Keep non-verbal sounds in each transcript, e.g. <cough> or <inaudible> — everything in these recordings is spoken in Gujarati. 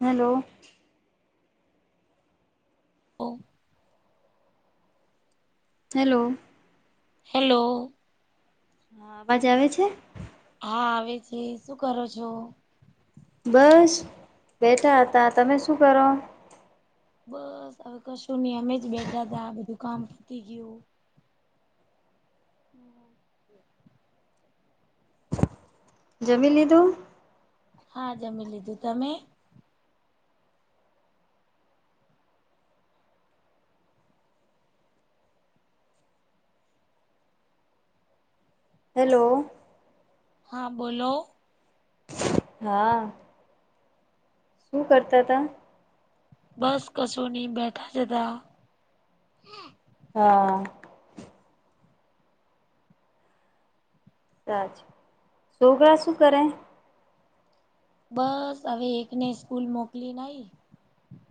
હેલો. ઓ. હેલો. હેલો. હા અવાજ આવે છે. હા આવે છે શું કરો છો. બસ બેઠા હતા તમે શું કરો. બસ હવે કશું નહી અમેજ બેઠા તા આ બધું કામ પતી ગયું. હમ <inaudible> જમી લીધું. હા જમી લીધું તમે. હેલો. હા બોલો. હા. હું કરતા હતા. બસ કશું ની બેઠા તા તે આવ. હા. તાજ શોભા શું કરે. બસ હવે એકને સ્કૂલ મોકલી ને આઈ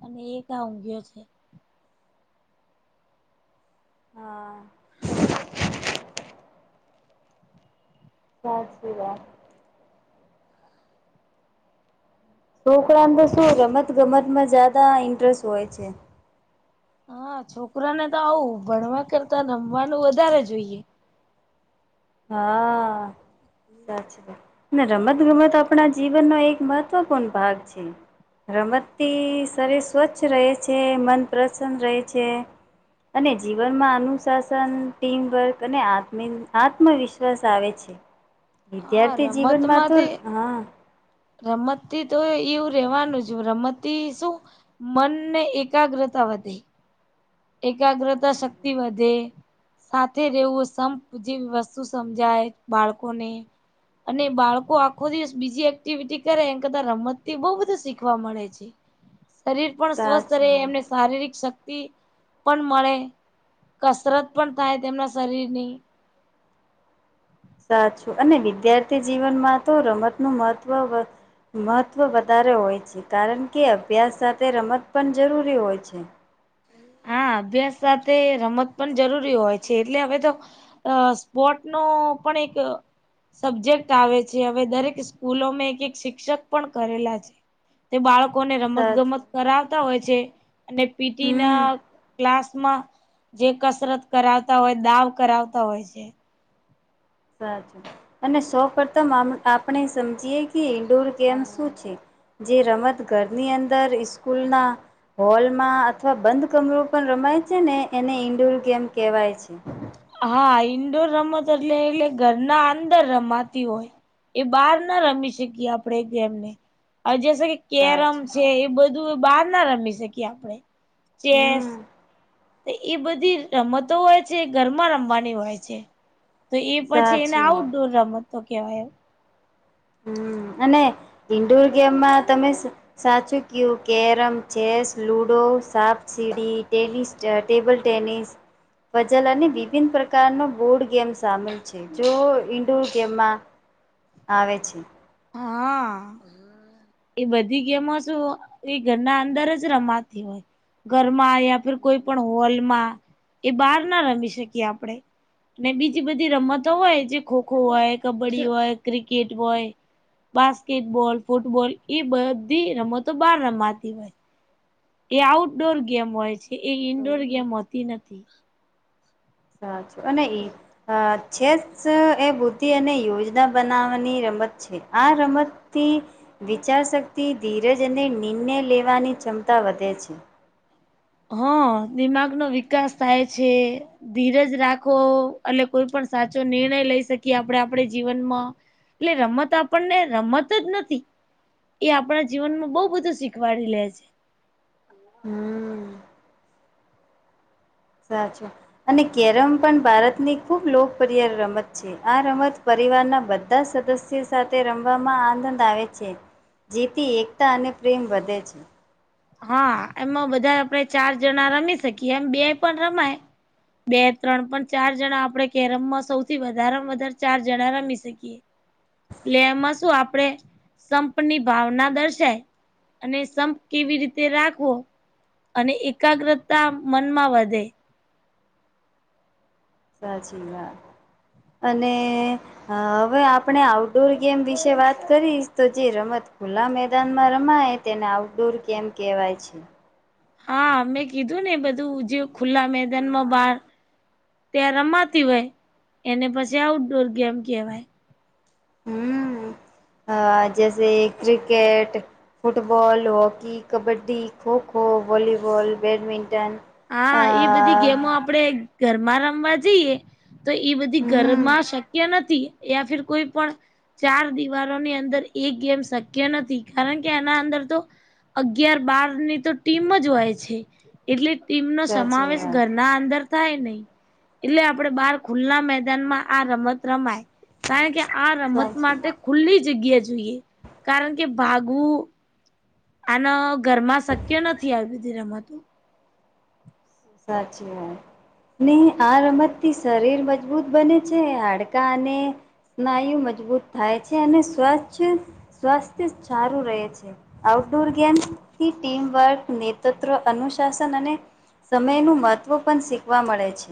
અને એક આ ઊંઘયો છે. હા. બસ સુઈ ગયા. છોકરાને તો શું રમત ગમતમાં જાદા ઇન્ટરેસ્ટ હોય છે. હા છોકરાને તો આવું ભણવા કરતા રમવાનું વધારે જોઈએ. હા સાચી વાત ને રમત ગમત આપ આપણા જીવનનો એક મહત્વપૂર્ણ ભાગ છે રમતથી શરીર સ્વચ્છ રહે છે મન પ્રસન્ન રહે છે. અને જીવનમાં અનુશાસન ટીમવર્ક અને હાત મીન. આત્મવિશ્વાસ આવે છે હા વિદ્યાર્થી જીવનમાં તો હા રમતી તો એવું રેવાનું છે રમતી શું. મનને એકાગ્રતા વધે એકાગ્રતા સાચું શક્તિ વધે. સાથે રહેવું સંપ જેવી વસ્તુ સમજાય બાળકોને અને બાળકો આખો દિવસ બીજી એક્ટિવિટી કરે એન કરતા રમત બઉુ બધું શીખવા મળે છે. શરીર પણ સ્વસ્થ રહે સાચું એમને શારીરિક શક્તિ પણ મળે કસરત પણ થાય તેમના શરીરની સાચું અને વિદ્યાર્થી જીવનમાં તો રમત નું મહત્ત્વ મહત્ત્વ વધારે હોય છે કારણ કે અભ્યાસ સાથે રમત પણ જરૂરી હોય છે. હા અભ્યાસ સાથે રમત પણ જરૂરી હોય છે એટલે હવે તો અ સ્પોર્ટ નો પણ એક સબ્જેક્ટ આવે છે હવે દરેક સ્કૂલોમાં એક એક શિક્ષક પણ કરેલા છે. તે બાળકોને રમત સાચું ગમત કરાવતા હોય છે અને પીટી હમ ના ક્લાસમાં જે કસરત કરાવતા હોય દાવ કરાવતા હોય છે. સાચું અને સૌ પ્રથમ અમ આપણે સમજીએ કે ઇન્ડોર કેમ શું છે જે રમત ઘરની અંદર સ્કૂલના હોલ માં અથવા બંધ કમરો પણ રમાય છે ને એને ઈન્ડોર ગેમ કહેવાય છે. હા ઇન્ડોર રમતો એટલે એટલે ઘરના અંદર રમાતી હોય. એ બહાર ના રમી શકીએ આપણે ગમને જે કે કેરમ સાચું છે એ બધું બહાર ના રમી શકીએ આપડણે ચેસ હમ એ બધી રમતો હોય છે ઘરમાં રમવાની હોય છે. તો એ પછી એને સાચી આઉટડોર રમત તો કેવાય એમ. હમ અને ઇન્ડોર ગેમમાં તમે સાચું ક્યુ કેરમ ચેસ લૂડો સાપ સીડીી ટેનિસ ટટેબલ ટેનિસ વજલની વિભિન પ્રકારનો બોર્ડ ગેમ સામેલ છે જો ઈન્ડોર ગેમમાં આવે આવે છે. <inaudible> હા <unintelligible> એ બધી ગેમો શ એ ઘરના અંદર જ રમાતી હોય. ઘરમાં યા કોઈ પણ હોલમાં એ બહાર ના રમી શકીએ આપણે. અને બીજી બધી રમતો હોય જે ખોખો હોય કબડ્ડી હોય ક્રિકેટ હોય. બાસ્કેટબોલ ફૂટબોલ એ બધી રમતો બાર રમાતી હોય. એ આઉટડોર ગેમ હોય છે એ ઈન્ડોર ગેમ હોતી નથી. અ છે અનેને એ છેદ એ બુદ્ધિ અને યોજના બનાવવાની રમત છે આ રમતથી વિચારશક્તિ ધીરજ અને નિર્ણય લેવાની ક્ષમતા વધે છે. હા દિમાગનોો વિકાસ થાય છે. ધીરજ રાખો એટ કોઈ પણ સાચો નિર્ણય લઈ શકીએ આપણે આપડ જીવનમાં એટલે રમત આપણને રમત જ નથી. એ આપણા જીવન માં બઉુ બધું શીખવાડી લે છે. હમ્મ. સાચું અને કેરમ પણ ભારતની ખુબ લોકપ્રિય રમત છે. આ રમત પરિવારના બધા સદસ્ય સાથે રમવામાં આનંદ આવે છે. જેથી એકતા અને પ્રેમ વધે છે. હા એમાં બધા આપડે ચાર જણા રમી શકીએ એમ બે પણ રમાય બે ત્રણ પણ ચાર જણા આપણે કેરમમાં સૌથી વધારેમાં વધારે ચાર જણા રમી શકીએ. એટલે એમાં શું આપડે સંપની ભાવના દર્શાય અને સંપ કેવી રીતે રાખવો. અને એકાગ્રતા મનમાં વધે. સાચી વાત અને હ હવે આપણે આઉટડોર ગેમ વિશે વાત કરીશ તો જે રમત ખુલ્લા મેદાનમાં રમાય તેને આઉટડોર ગેમ કહેવાય છે. હા મેં કીધું ને બધું જે ખુલ્લા મેદાનમાં બહાર. ત્યાં રમાતી હોય એને પછી આઉટડોર ગેમ કહેવાય. હમ હ જૈસે cricket. Football hockey kabaddi kho kho volleyball badminton. અ હા ઈ બધી ગેમો આપ. આપણે ઘરમાં રમવા જઈએ તો ઈ બધી હમ ઘરમાં શક્ય નથી. યા ફીર કોઈ પણ. ચાર દિવાલોની અંદર એ ગેમ શક્ય નથી કારણ કે એના અંદર તો. અગયાર બાર ની તો ટીમ જ હોય છે એટલે ટીમનો સાચી સમાવેશ વાત ઘરના અંદર. થાય નહી એટલે આપડે બાર ખુલ્લા મેદાનમાં આ રમત રમાય. કારણ કે આ રમત સાચી માટે ખુલ્લી જગ્યા જોઈએ કારણ કે ભાગવું. આના ઘરમાં શક્ય નથી આવી બીધી રમતો. સાચી વાત. નહી આ રમતથી શરીર મજબૂત બને છે હાડકા અને. સ્નાયુ મજબૂત થાય છે અને સ્વસ્થ સ્વાસ્થ્ય સારું રહે છે. આઉટડોર ગેમ્થી ટીમવર્ક નેતૃત્વ અનુશાસન અને. સમયનું મહત્ત્વ પણ શીખવા મળે છે.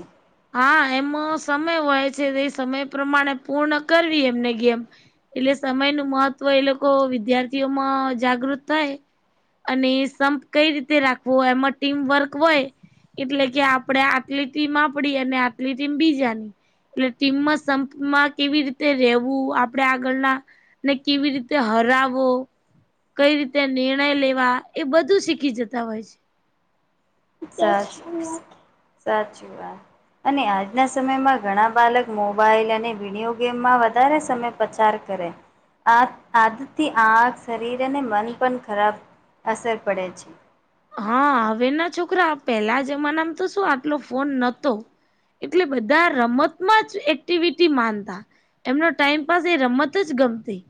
હા એમ સમય હોય છે એ સમય પ્રમાણે પૂર્ણ કરવી એમને ગેમ. એટલે સમય નું મહત્વ એ લોકો વિદ્યાર્થીઓમાં જાગૃત થાય. અને સંપ કઈ રીતે રાખવો હોય એમાં ટીમ વર્ક હોય. એટલે કે આપણે આટલી ટીમ આપડી અને આટલી ટીમ બીજાની. એટલે ટીમમાં સંપમાં કેવી રીતે રવું આપડે આગળના ને કેવી રીતે હરાવો. કઈ રીતે નિર્ણય લેવા એ બધું શીખી જતા હોય છે. સાચી સાચી વાત. અને આજના સમયમાં ઘણા બાલક મોબાઈલ અને વિડીયો ગેમમાં વધારે સમય પચાર કરે. આ આદતથી આ શરીર અને મન પણ ખરાબ અસર પડે છે. હા હવે ના છોકરા પેલા જમાનામાં તો શું આટલો ફોન નતો. એટલે બધા રમતમાં જ એક્ટિવિટી માનતા. એમનો ટાઈમ પાાસ એ રમત જ ગમતી.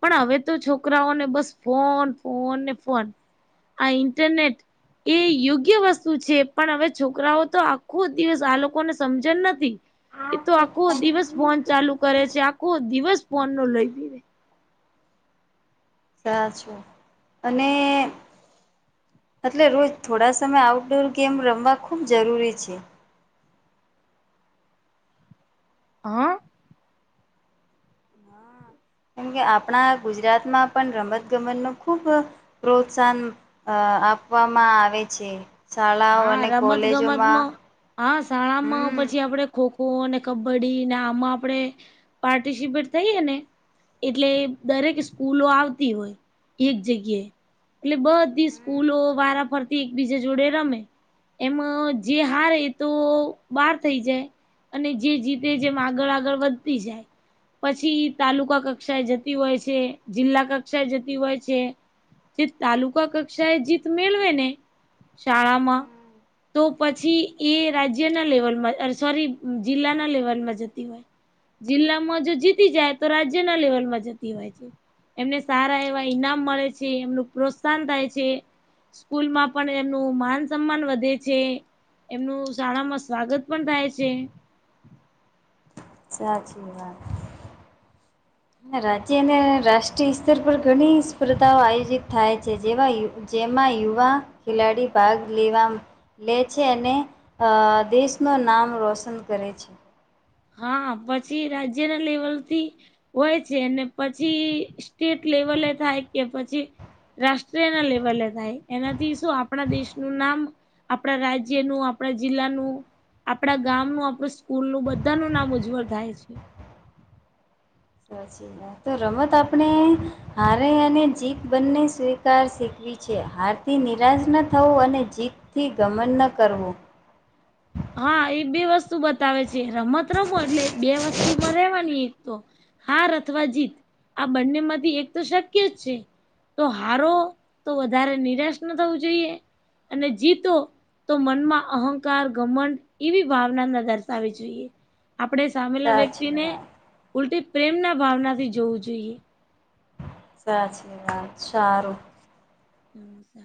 પણ હવે તો છોકરાઓને બસ ફોન ફોન ને ફોન, આ ઇન્ટરનેટ એ યોગ્ય વસ્તુ છે પણ હવે છોકરાઓ તો આખો દિવસ આ લોકોને સમજણ નથી. એતો આખો દિવસ ફોન ચાલુ કરે છે આખો દિવસ ફોન નું લોહી પીવે. સાચું, અને એટલે રોજ થોડા સમય આઉટડોર ગેમ રમવા ખૂબ જરૂરી છે. હ. ના <inaudible> કેમકે આપણા ગુજરાતમાં પણ રમતગમત નો ખુબ પ્રોત્સાહન આપવામાં આવે છે. શાળાઓ હા અને રમત કોલેજોમાં ગમતમાં હા શાળામાં હમ પછી આપડે ખોખો ખો ને કબડ્ડી ને આમાં આપણે, પાર્ટિસિપેટ થઈએ ને. એટલે દરેક સ્કૂલો આવતી હોય, એક જગ્યાએ. એટલે બધી સ્કૂલો વારા ફરતી એકબીજા જોડે રમે. એમ જે હારે એ તો બહાર થઇ જાય. અને જે જીતે જેમ આગળ આગળ વધતી જાય. પછી તાલુકા કક્ષાએ જતી હોય છે જિલ્લા કક્ષાએ જતી હોય છે. જે તાલુકા કક્ષાએ જીત મેળવે ને, શાળા તો પછી એ રાજ્યના લેવલમાં સોરી જિલ્લાના લેવલમાં જતી હોય. જિલ્લામાં જો જીતી જાય તો રાજ્યના લેવલમાં જતી હોય છે. એમને સારા એવા ઈનામ મળે છે એમનું પ્રોત્સાહન થાય છે. સ્કૂલ માં પણ એમનું માન સમાન વધે છે, એમનું શાળામાં સ્વાગત પણ થાય છે. સચી વાત. રાજ્ય અને રાષ્ટ્રીય સ્તર પર ઘણી સ્પર્ધાઓ આયોજિત થાય છે જેવા જેમાં યુવા ખેલાડી ભાગ લેવા લે છે, અને અ દેશનું નામ રોશન કરે છે. હા પછી રાજ્યના લેવલથી હોય છે ને પછી સ્ટેટ લેવલે થાય કે પછી રાષ્ટ્ર ના લેવલે થાય એનાથી શું આપણા દેશનું નામ આપણા રાજ્ય નું આપણા જિલ્લાનુ આપણા ગામ ન આપણું સ્કૂલ નું બધું બધા નું નામ ઉજ્જવળ થાય છે. સચી તો રમત આપણે હારે અને જીત બંને સ્વીકાર શીખવી છે હારથી નિરાશ ન થવો અને જીત થી ગમન ન કરવું. હા એ બે વસ્તુ બતાવે છે રમત રમો એટલે બે વસ્તુમાં રેવાની એક તો હાર અથવા જીત આ બંને માંથી એક તો શક્ય જ છે. તો હારો તો વધારે નિરાશ ન થવું જોઈએ અને જીતો તો મનમાં અહંકાર ગમંડ એવી ભાવના ન દર્શાવી જોઈએ, આપડે સામેલા સાચી વ્યક્તિને વાત ઉલટી પ્રેમના ભાવનાથી જોવું જોઈએ. સાચી વાત શારું નમ સા